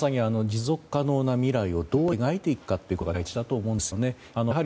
まさに持続可能な未来をどう描いていくかということが大事だと思うんですよね。